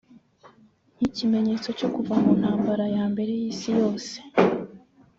nk’ikimenyetso cyo kuva mu ntambara ya mbere y’isi yose